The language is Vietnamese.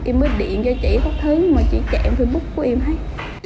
em mới điện cho chị có thứ mà chị chạm facebook của em hết